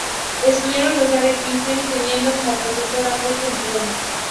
Estudió en la Universidad de Giessen, teniendo como profesor a Justus von Liebig.